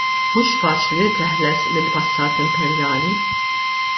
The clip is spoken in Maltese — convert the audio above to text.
Mhux faċli li teħles mill-passat imperjali.